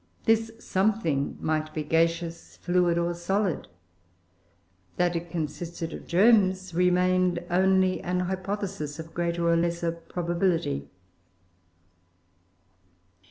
This "something" might be gaseous, fluid, or solid; that it consisted of germs remained only an hypothesis of greater or less probability.